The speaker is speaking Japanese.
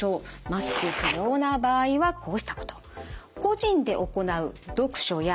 マスク不要な場合はこうしたこと。